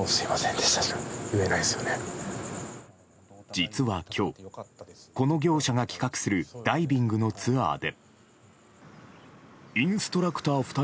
実は今日、この業者が企画するダイビングのツアーで。